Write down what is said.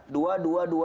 dua dua dua dua dua